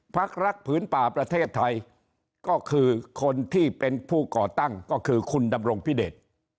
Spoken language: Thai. พักรักผืนป่าประเทศไทยก็คือคนที่เป็นผู้ก่อตั้งก็คือคุณดำรงพิเดช